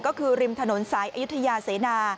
ก็คือริมถนนสายอายุทยาเสนา